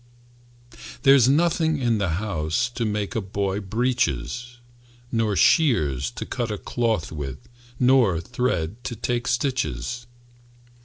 "There's nothing in the house To make a boy breeches, Nor shears to cut a cloth with Nor thread to take stitches.